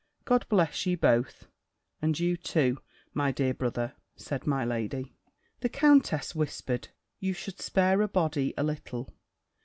God bless you both." "And you too, my dear brother," said my lady. The countess whispered, "You should spare a body a little!